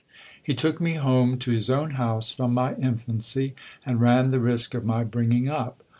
He took me home to his own house from my infancy, and ran the risk of my bringing up.